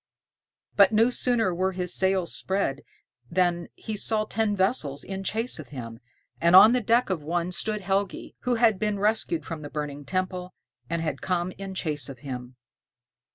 But no sooner were his sails spread than he saw ten vessels in chase of him, and on the deck of one stood Helgi, who had been rescued from the burning temple, and had come in chase of him.